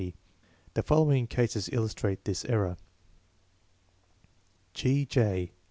The following cases illustrate this error: G. J.